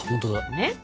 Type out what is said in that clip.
ねっ。